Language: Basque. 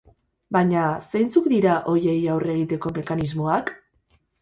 Baina zeintzuk dira horiei aurre egiteko mekanismoak?